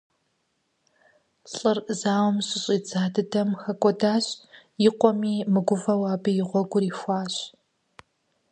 ЛӀыр зауэм щыщӀидза дыдэм хэкӀуэдащ, и къуэми мыгувэу абы и гъуэгур ихуащ.